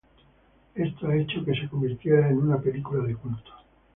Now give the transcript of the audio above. Esto ha hecho que se convirtiera en una película de culto.